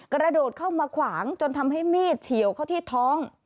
กระโดดเข้ามาขวางจนทำให้มีดเฉียวเข้าที่ท้อง